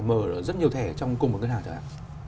mở rất nhiều thẻ trong cùng một ngân hàng thôi ạ